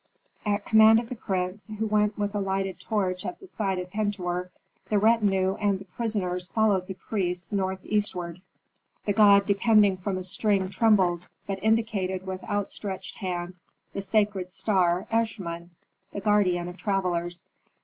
At command of the prince, who went with a lighted torch at the side of Pentuer, the retinue and the prisoners followed the priest, northeastward. The god depending from a string trembled, but indicated with outstretched hand, the sacred star, Eshmun, the guardian of travellers.